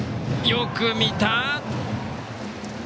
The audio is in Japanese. よく見た！